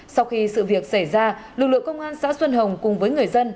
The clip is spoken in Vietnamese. sau khi sự việc xảy ra lực lượng công an xã xuân hồng cùng với người dân